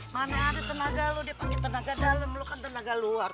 mana ada tenaga lo dia pake tenaga dalam lo kan tenaga luas